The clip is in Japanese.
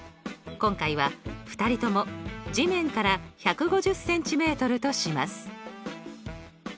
今回は２人とも地面から１５０ｃｍとします。